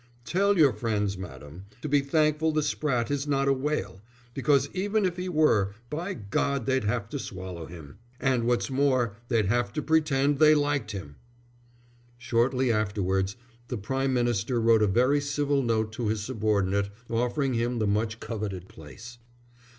"Tell your friends, Madam, to be thankful the sprat is not a whale, because even if he were, by God they'd have to swallow him. And what's more, they'd have to pretend they liked him!" Shortly afterwards the Prime Minister wrote a very civil note to his subordinate offering him the much coveted place.